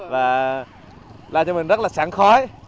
và làm cho mình rất là sẵn khói